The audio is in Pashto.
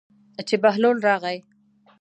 چې بهلول راغی.